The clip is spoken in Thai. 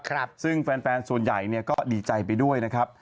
ครับซึ่งแฟนแฟนส่วนใหญ่เนี่ยก็ดีใจไปด้วยนะครับ